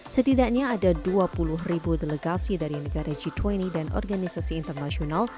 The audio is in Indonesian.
setidaknya ada dua puluh ribu delegasi dari negara g dua puluh dan organisasi internasional